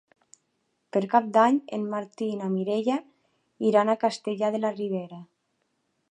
Per Cap d'Any en Martí i na Mireia iran a Castellar de la Ribera.